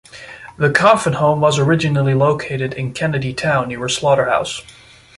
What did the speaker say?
The Coffin Home was originally located in Kennedy Town near a slaughterhouse.